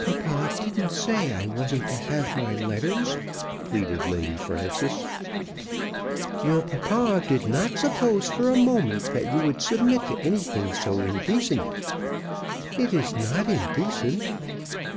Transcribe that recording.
"Papa didn't say I wasn't to have my letters," pleaded Lady Frances. "Your papa did not suppose for a moment that you would submit to anything so indecent." "It is not indecent."